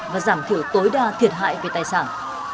và giảm thiểu tối đa thiệt hại về tài sản